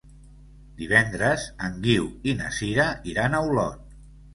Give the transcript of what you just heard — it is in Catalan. Divendres en Guiu i na Sira iran a Olot.